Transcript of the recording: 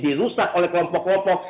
dirusak oleh kelompok kelompok